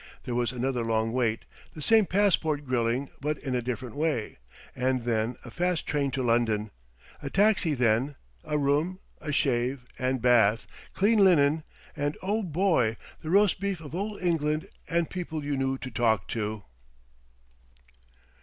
There was another long wait, the same passport grilling, but in a different way, and then a fast train to London. A taxi then, a room, a shave and bath, clean linen, and oh boy! the roast beef of old England and people you knew to talk to!